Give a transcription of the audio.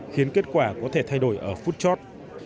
khiến kết quả có thể thay đổi ở foodchart